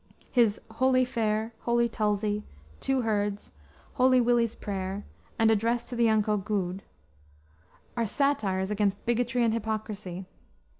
His Holy Fair, Holy Tulzie, Two Herds, Holy Willie's Prayer, and Address to the Unco Gude, are satires against bigotry and hypocrisy.